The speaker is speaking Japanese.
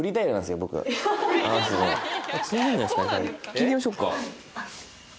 聞いてみましょうか。